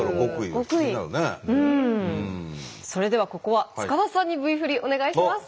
それではここは塚田さんにＶ振りお願いします。